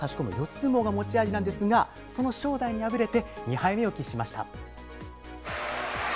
相撲が持ち味なんですが、その正代に敗れて２敗目を喫しました。